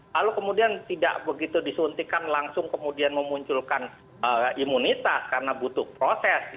lalu kemudian tidak begitu disuntikan langsung kemudian memunculkan imunitas karena butuh proses